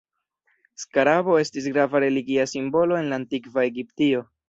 Skarabo estis grava religia simbolo en la Antikva Egiptio.